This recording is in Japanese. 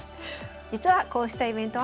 実はこうしたイベントは。